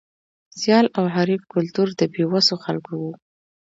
سیال او حریف کلتور د بې وسو خلکو و.